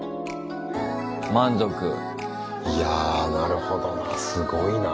いやなるほどなすごいな。